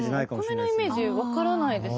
お米のイメージわからないです。